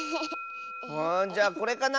あじゃあこれかな？